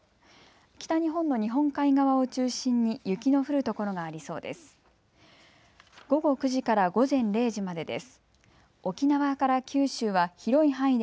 北日本の日本海側を中心に雪の降る所がありそうです。